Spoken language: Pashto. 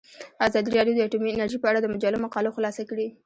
ازادي راډیو د اټومي انرژي په اړه د مجلو مقالو خلاصه کړې.